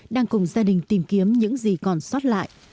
đang cùng gia đình tìm kiếm những gì còn sót lại